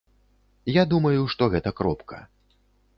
Я думаю, што гэта кропка.